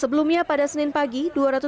sebelumnya pada senin pagi